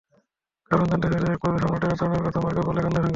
কারণ জানতে চাইলে একপর্যায়ে সম্রাটের আচরণের কথা মাকে বলে কান্নায় ভেঙে পড়ে।